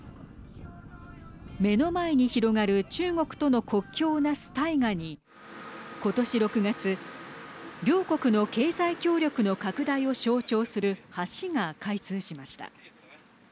目の前に広がる中国との国境をなす大河に今年６月両国の経済協力の拡大を象徴する橋が開通しました。